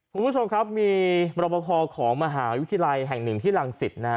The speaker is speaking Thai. คุณผู้ชมครับมีรบพอของมหาวิทยาลัยแห่งหนึ่งที่รังสิตนะฮะ